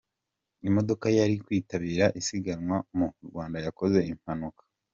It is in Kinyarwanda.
Imodoka yari kwitabira isiganwa mu Rwanda yakoze impanuka